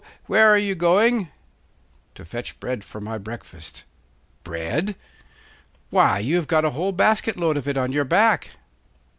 where are you going?' 'To fetch bread for my breakfast.' 'Bread? Why, you have got a whole basket load of it on your back.